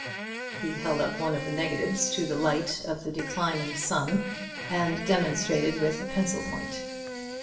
he held one of the negatives up to the light of the declining sun and demonstrated with a pencil point.